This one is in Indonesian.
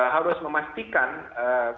harus memastikan kondisi dendamnya